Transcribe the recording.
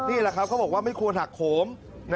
นี่แหละครับเขาบอกว่าไม่ควรหักโขม